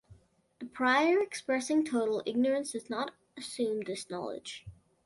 The prior expressing total ignorance does not assume this knowledge.